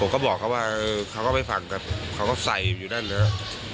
ผมก็บอกเขาว่าเขาก็ไม่ฟังครับเขาก็ใส่อยู่นั่นนะครับ